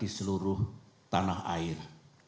di seluruh tanah air